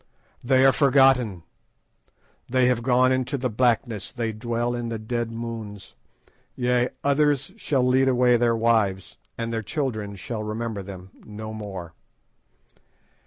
"They are forgotten; they have gone into the blackness; they dwell in the dead moons; yea, others shall lead away their wives, and their children shall remember them no more.